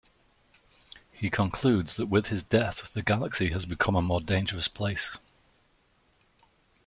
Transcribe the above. He concludes that with his death, the galaxy has become a more dangerous place.